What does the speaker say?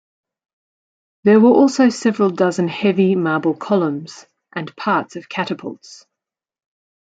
There were also several dozen heavy marble columns and parts of catapults.